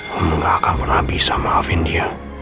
gue gak kenal sama dia